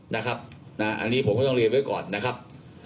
นะครับอันนี้ผมก็ต้องเรียนไว้ก่อนนะครับ